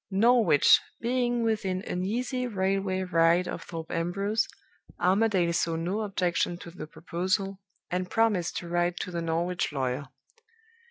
Norwich being within an easy railway ride of Thorpe Ambrose, Armadale saw no objection to the proposal, and promised to write to the Norwich lawyer.